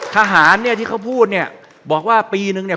ทหารเนี่ยที่เขาพูดเนี่ยบอกว่าปีนึงเนี่ย